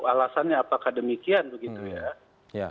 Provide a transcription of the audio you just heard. alasannya apakah demikian begitu ya